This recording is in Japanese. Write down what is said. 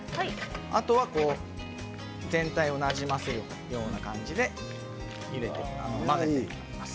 あとは全体をなじませる感じで混ぜていきます。